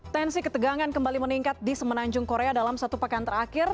tensi ketegangan kembali meningkat di semenanjung korea dalam satu pekan terakhir